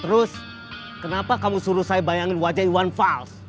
terus kenapa kamu suruh saya bayangin wajah iwan fals